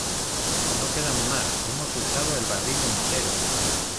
¡ No quedan más! ¡ hemos usado el barril entero !